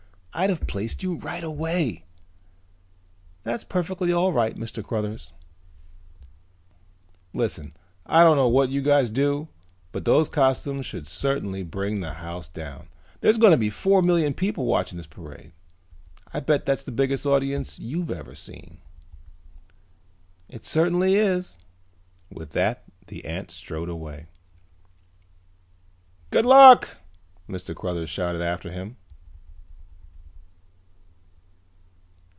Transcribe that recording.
I'd have placed you right away." "That's perfectly all right, Mr. Cruthers." "Listen, I don't know what you guys do but those costumes should certainly bring the house down. There's going to be four million people watching this parade. I bet that's the biggest audience you've ever seen." "It certainly is." With that the ant strode away. "Good luck!" Mr. Cruthers shouted after him.